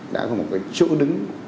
đã có một chỗ đứng